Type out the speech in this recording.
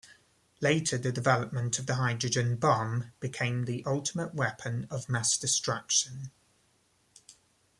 Later, the development of the hydrogen bomb became the ultimate weapon of mass destruction.